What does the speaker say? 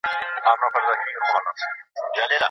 په سياست کي بايد بشپړ احتیاط وسي.